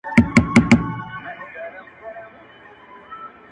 نن هغه غشي د خور ټيكري پېيلي!!